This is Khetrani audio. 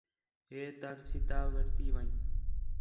ہِے تڑ سِدّھا وٹھتی ون٘ڄ